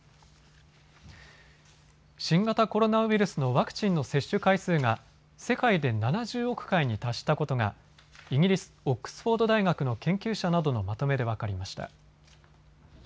新型コロナウイルスのワクチンの接種回数が世界で７０億回に達したことがイギリス、オックスフォード大学の研究者などのまとめで分かりました。